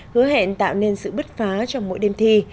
hứa hẹn tạo nên sự bứt phá trong mỗi đêm thi